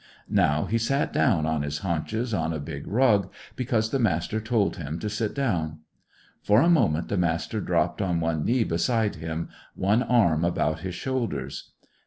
Now he sat down on his haunches on a big rug, because the Master told him to sit down. For a moment the Master dropped on one knee beside him, one arm about his shoulders.